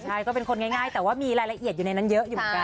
ใช่ก็เป็นคนง่ายแต่ว่ามีรายละเอียดอยู่ในนั้นเยอะอยู่เหมือนกัน